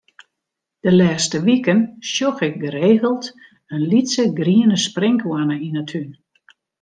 De lêste wiken sjoch ik geregeld in lytse griene sprinkhoanne yn 'e tún.